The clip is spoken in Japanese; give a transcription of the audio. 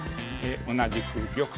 同じく玉と。